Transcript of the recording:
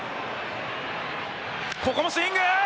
ここもスイング！